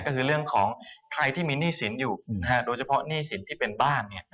ก็คือเรื่องของใครที่มีหนี้สินอยู่โดยเฉพาะหนี้สินที่เป็นบ้าน